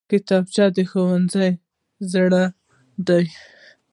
کتابچه د ښوونځي زړه دی